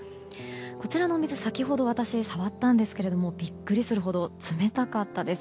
こちらのお水、先ほど私、触ったんですがビックリするほど冷たかったです。